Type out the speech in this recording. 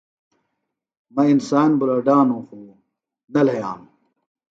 مہ انسان بُلڈانوۡ خوۡ نہ لھیانوۡ